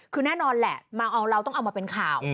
คือแน่นอนแหละมาเอาเราต้องเอามาเป็นข่าว